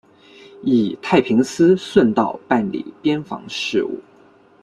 以太平思顺道办理边防事务。